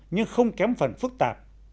nhưng không kém phần phức tạp